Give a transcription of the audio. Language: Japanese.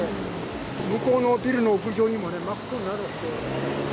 向こうのビルの屋上にもね、真っ黒になるほど。